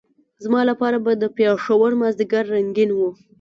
زما لپاره به د پېښور مازدیګر رنګین وو.